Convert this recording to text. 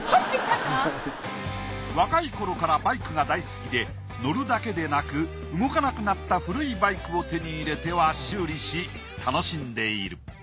若い頃からバイクが大好きで乗るだけでなく動かなくなった古いバイクを手に入れては修理し楽しんでいる。